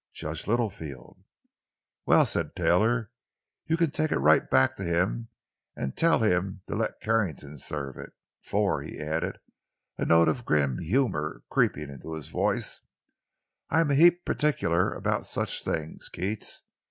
"Judge Littlefield." "Well," said Taylor, "you can take it right back to him and tell him to let Carrington serve it. For," he added, a note of grim humor creeping into his voice, "I'm a heap particular about such things, Keats.